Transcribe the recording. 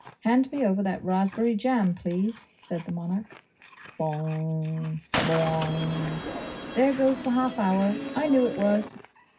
Hand me over that raspberry jam, please,' said the Monarch. 'Bong! Bawong! There goes the half hour. I knew it was.